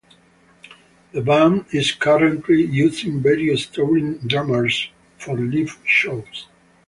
The band is currently using various touring drummers for live shows.